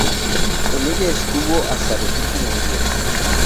Con ella estuvo hasta los últimos días.